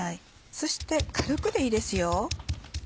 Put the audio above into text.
そして軽くでいいですよ。